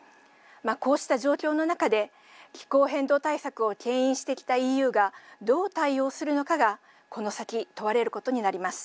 こうした状況の中で気候変動対策をけん引してきたＥＵがどう対応するのかが、この先問われることになります。